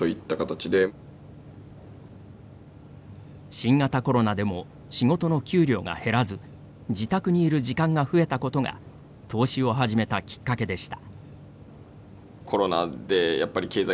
新型コロナでも仕事の給料が減らず自宅にいる時間が増えたことが投資を始めたきっかけでした。